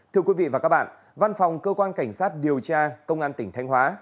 thưa quý vị và các bạn văn phòng cơ quan cảnh sát điều tra công an tỉnh thanh hóa